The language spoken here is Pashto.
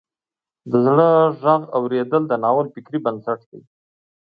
د زړه غږ اوریدل د ناول فکري بنسټ دی.